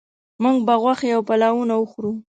موږ به غوښې او پلونه وخورو